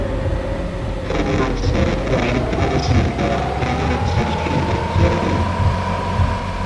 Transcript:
海马齿为番杏科海马齿属的植物。